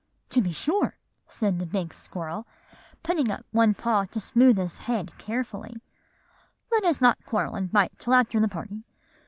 "'To be sure,' said the big squirrel, putting up one paw to smooth his head carefully; 'let us not quarrel and bite till after the party.